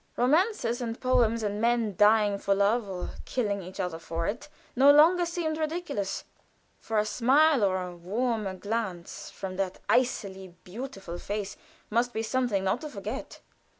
Romances and poems, and men dying of love, or killing each other for it, no longer seemed ridiculous; for a smile or a warmer glance from that icily beautiful face must be something not to forget.